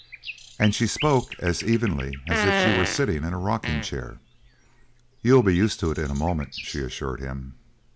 And she spoke as evenly as if she were sitting in a rocking chair. "You'll be used to it in a moment," she assured him.